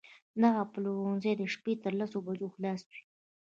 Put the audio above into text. دغه پلورنځی د شپې تر لسو بجو خلاص وي